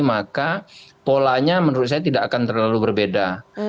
maka polanya menurut saya tidak akan terlalu berbeda